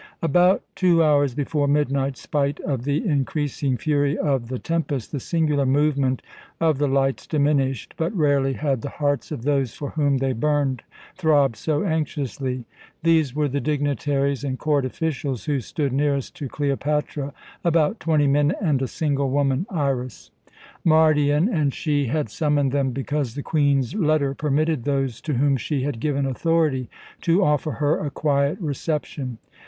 About two hours before midnight, spite of the increasing fury of the tempest, the singular movement of the lights diminished, but rarely had the hearts of those for whom they burned throbbed so anxiously. These were the dignitaries and court officials who stood nearest to Cleopatra about twenty men and a single woman, Iras. Mardion and she had summoned them because the Queen's letter permitted those to whom she had given authority to offer her a quiet reception.